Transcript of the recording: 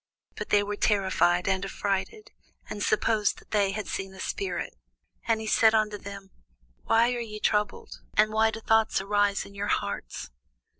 But they were terrified and affrighted, and supposed that they had seen a spirit. And he said unto them, Why are ye troubled? and why do thoughts arise in your hearts?